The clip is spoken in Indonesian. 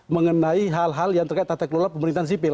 mengenai hal hal yang terkait tata kelola pemerintahan sipil